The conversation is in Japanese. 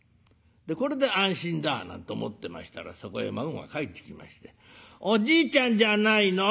これで安心だなんて思ってましたらそこへ孫が帰ってきまして「おじいちゃんじゃないの？